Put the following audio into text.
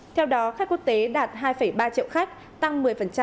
theo đó khách quốc tế đạt hai ba triệu khách tăng một mươi